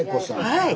はい。